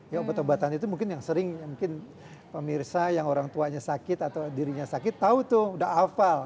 ya obat obatan itu mungkin yang sering mungkin pemirsa yang orang tuanya sakit atau dirinya sakit tahu tuh udah hafal